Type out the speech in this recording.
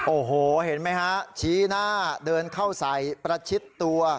โอ้โหเห็นไหมฮะชี้หน้าเดินเข้าใส่ประชิดตัว